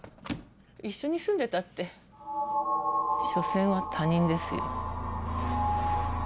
⁉一緒に住んでたってしょせんは他人ですよ。